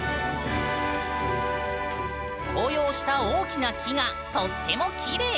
紅葉した大きな木がとってもきれい！